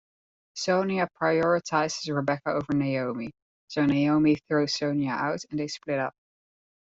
Sonia prioritises Rebecca over Naomi, so Naomi throws Sonia out and they split up.